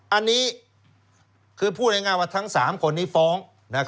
อันนี้คือพูดง่ายว่าทั้ง๓คนนี้ฟ้อง